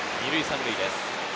２塁３塁です。